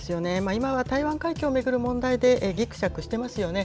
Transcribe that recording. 今は台湾海峡を巡る問題でぎくしゃくしていますよね。